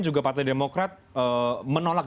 juga partai demokrat menolak